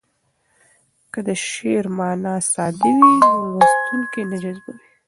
که د شعر مانا ساده وي نو لوستونکی نه جذبوي.